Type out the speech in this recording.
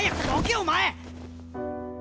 お前！